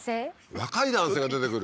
若い男性が出てくる？